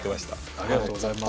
ありがとうございます。